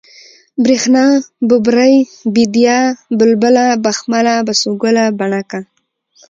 برېښنا ، ببرۍ ، بېديا ، بلبله ، بخمله ، بسوگله ، بڼکه